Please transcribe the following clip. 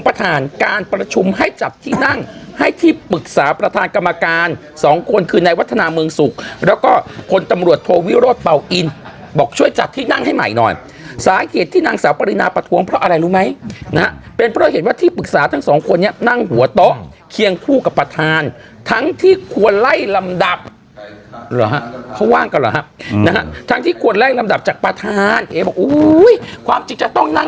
ประชุมให้จับที่นั่งให้ที่ปรึกษาประธานกรรมการ๒คนคือในวัฒนาเมืองสุขแล้วก็คนตำรวจโทรวิโรศเปล่าอินบอกช่วยจับที่นั่งให้ใหม่หน่อยสาเหตุที่นั่งสาวปริณาประทวงเพราะอะไรรู้ไหมนะเป็นเพราะเหตุว่าที่ปรึกษาทั้ง๒คนนี้นั่งหัวเตาะเคียงพู่กับประธานทั้งที่ควรไล่ลำดับหรือฮะเขาว่างกัน